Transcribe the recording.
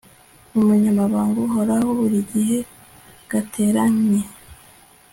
umunyamabanga uhoraho buri gihe gateranye